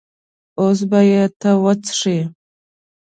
اوس به یې ته وڅښې.